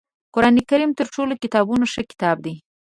قرآنکریم تر ټولو کتابونو ښه کتاب دی